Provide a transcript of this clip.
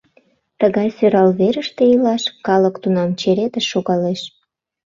Тыгай сӧрал верыште илаш калык тунам черетыш шогалеш».